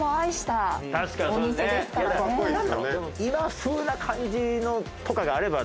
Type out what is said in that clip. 今風な感じのとかがあれば。